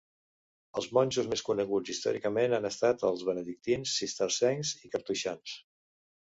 Els monjos més coneguts històricament han estat els benedictins, cistercencs i cartoixans.